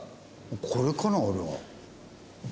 これかな俺は。